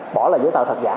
bỏ lại giấy tờ thật giả